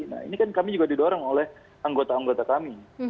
nah ini kan kami juga didorong oleh anggota anggota kami